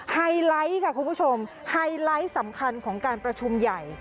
ไฮไลท์ค่ะคุณผู้ชมไฮไลท์สำคัญของการประชุมใหญ่